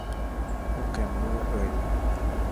โปรแกรมเมอร์เอย